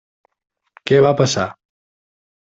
Què va passar?